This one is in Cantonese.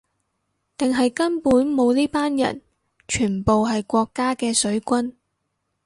定係根本冇呢班人，全部係國家嘅水軍